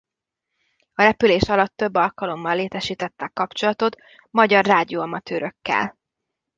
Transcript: A repülés alatt több alkalommal létesítettek kapcsolatot magyar rádióamatőrökkel.